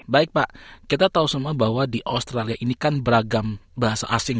baik pak kita tahu semua bahwa di australia ini kan beragam bahasa asing